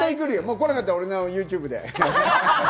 来なかったら俺のＹｏｕＴｕｂｅで。